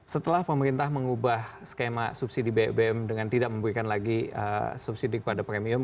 setelah pemerintah mengubah skema subsidi bbm dengan tidak memberikan lagi subsidi kepada premium